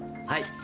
はい。